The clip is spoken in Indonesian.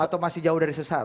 atau masih jauh dari sesat